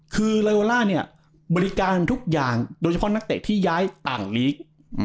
คือลาวาล่าเนี่ยบริการทุกอย่างโดยเฉพาะนักเตะที่ย้ายต่างลีก